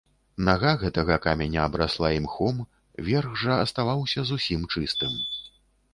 Нага гэтага каменя абрасла імхом, верх жа аставаўся зусім чыстым.